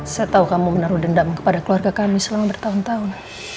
saya tahu kamu menaruh dendam kepada keluarga kami selama bertahun tahun